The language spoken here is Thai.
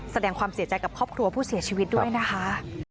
แสดงความเสียใจกับครอบครัวผู้เสียชีวิตด้วยนะคะ